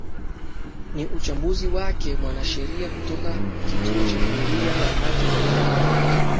ni uchambuzi wake mwanasheria kutoka kituo cha sheria na haki za binaadamu